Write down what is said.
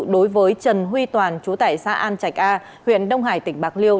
đối với trần huy toàn chú tải xã an trạch a huyện đông hải tỉnh bạc liêu